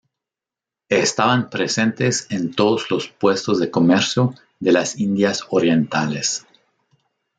Estaban presentes en todos los puestos de comercio de las Indias Orientales.